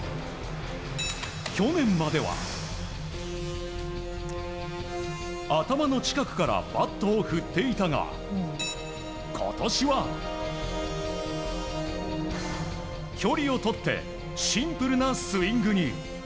去年までは頭の近くからバットを振っていたが今年は、距離をとってシンプルなスイングに。